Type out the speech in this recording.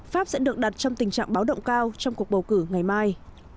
pháp sẽ được đặt trong tình trạng báo động cao trong cuộc bầu cử ngày mai